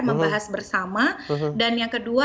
membahas bersama dan yang kedua